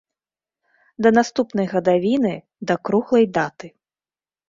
Да наступнай гадавіны, да круглай даты.